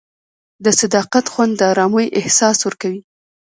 د صداقت خوند د ارامۍ احساس ورکوي.